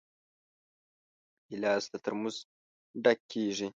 ګیلاس له ترموزه ډک کېږي.